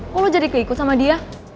kalau lo jadi keikut sama dia